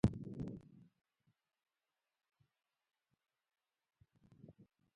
دوو ماشومانو یو توپ زما مخې ته په لغتو وواهه.